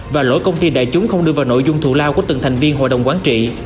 và lỗi công ty đại chúng không đưa vào nội dung thù lao của từng thành viên hội đồng quán trị